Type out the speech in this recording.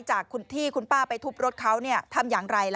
จากที่คุณป้าไปทุบรถเขาเนี่ย